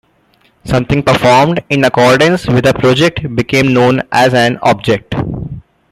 Something performed in accordance with a project became known as an "object".